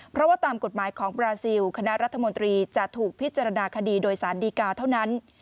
เพราะว่าตามกฎหมายของบราซิลคณะรัฐมนตรีจะถูกพิจารณาคดีโดยสารดีกาเท่านั้น